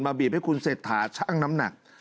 บีบให้คุณเศรษฐาชั่งน้ำหนัก